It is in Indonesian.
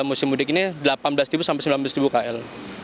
kalau sudah ada mudik ini delapan belas ribu sampai sembilan belas ribu kl